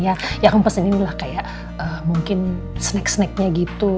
ya kamu pesen inilah kayak mungkin snack snacknya gitu